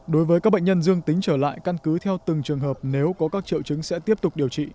đối với các bệnh nhân dương tính trở lại căn cứ theo từng trường hợp nếu có các triệu chứng sẽ tiếp tục điều trị